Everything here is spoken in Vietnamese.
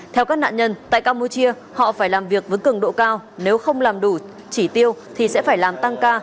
theo các nạn nhân tại campuchia họ phải làm việc với cường độ cao nếu không làm đủ chỉ tiêu thì sẽ phải làm tăng ca